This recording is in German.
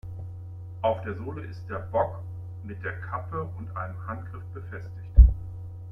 Auf der Sohle ist der "Bock" mit der "Kappe" und einem Handgriff befestigt.